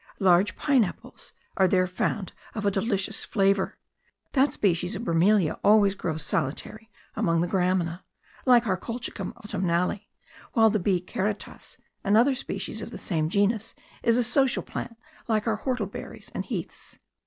Large pine apples are there found of a delicious flavour; that species of bromelia always grows solitary among the gramina, like our Colchicum autumnale, while the B. karatas, another species of the same genus, is a social plant, like our whortleberries and heaths.